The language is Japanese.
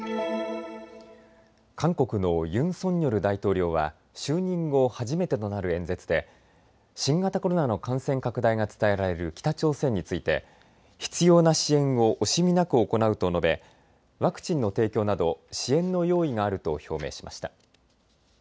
韓国のユン・ソンニョル大統領は就任後、初めてとなる演説で新型コロナの感染拡大が伝えられる北朝鮮について必要な支援を惜しみなく行うと述べワクチンの提供など支援の用意があると表明しました。